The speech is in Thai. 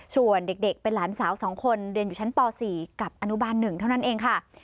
ส่วนเด็กเป็นหลานสาว๒คนเรียนอยู่ชั้นป๔กับอนุบาล๑เท่านั้นเองค่ะ